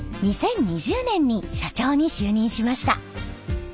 ２０２０年に社長に就任しました。